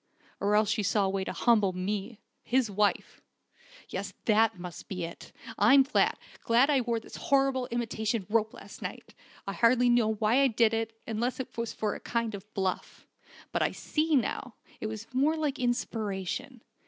Or else she saw a way to humble me his wife. Yes, that must be it! I'm glad glad I wore the horrid imitation rope last night. I hardly knew why I did it, unless it was for a kind of bluff. But I see now, it was more like inspiration.